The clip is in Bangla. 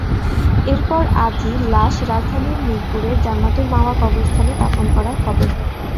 এরপর আজই লাশ রাজধানীর মিরপুরের জান্নাতুল মাওয়া কবরস্থানে দাফন করা হবে।